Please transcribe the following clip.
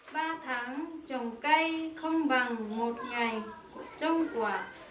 ba tháng trồng cây không bằng một ngày trôi quả